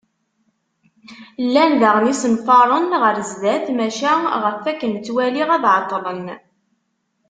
Llan daɣen yisenfaren ɣer sdat, maca ɣef wakken ttwaliɣ ad ɛeṭṭlen.